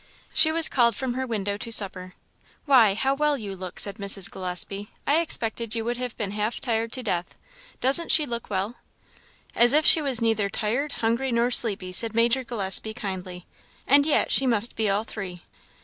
She was called from her window to supper. "Why, how well you look!" said Mrs. Gillespie; "I expected you would have been half tired to death. Doesn't she look well?" "As if she was neither tired, hungry, nor sleepy," said Major Gillespie kindly; "and yet she must be all three."